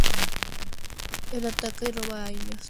Él ataca y roba a ellos.